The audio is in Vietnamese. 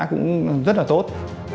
cũng rất là tốt